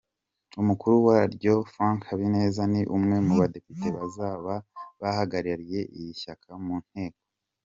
Umukuru waryo Frank Habineza ni umwe mu badepite bazaba bahagarariye iri shyaka mu nteko.